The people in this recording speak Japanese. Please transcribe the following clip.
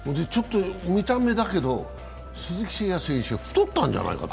見た目だけど、鈴木誠也選手太ったんじゃないかと。